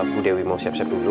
bu dewi mau siap siap dulu